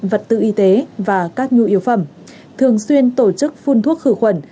vật tư y tế và các nhu yếu phẩm thường xuyên tổ chức phun thuốc khử khuẩn